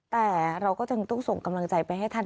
แต่เราก็จึงต้องส่งกำลังใจไปให้ท่าน